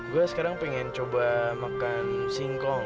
gue sekarang pengen coba makan singkong